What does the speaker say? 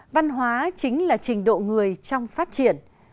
văn hóa chính là trình độ người trong phát triển